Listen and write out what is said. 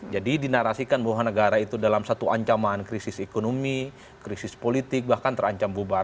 jadi dinarasikan bahwa negara itu dalam satu ancaman krisis ekonomi krisis politik bahkan terancam bubar